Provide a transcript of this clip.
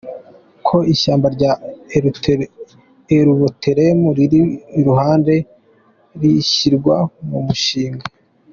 Ko ishyamba rya Aruboretumu riri i Ruhande rishyirwa mu mushinga